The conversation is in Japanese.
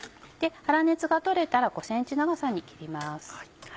粗熱が取れたら５ｃｍ長さに切ります。